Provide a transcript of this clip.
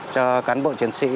cho cán bộ chiến sĩ